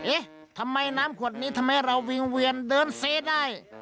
เอ๊ะทำไมน้ำขวดนี้ทำไมเราวิ่งเวียนเดินเซได้